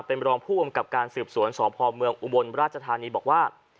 เป็นรองผู้กำกับการสืบสวนสพเมืองอุบลราชธานีบอกว่า